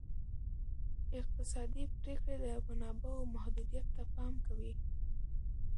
اقتصادي پریکړې د منابعو محدودیت ته پام کوي.